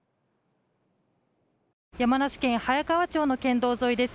山梨県早川町の県道沿いです。